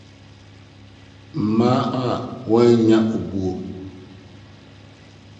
Mmea a Wɔanya Obu